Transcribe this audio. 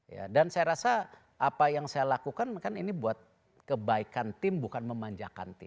ya dan saya rasa apa yang saya lakukan kan ini buat kebaikan tim bukan memanjakan tim